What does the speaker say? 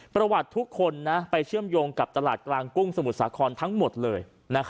ประวัติทุกคนไปเชื่อมโยงกับตลาดกลางกุ้งสมุทรสาครทั้งหมดเลย